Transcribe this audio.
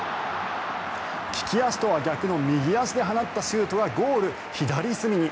利き足とは逆の右足で放ったシュートはゴール左隅に。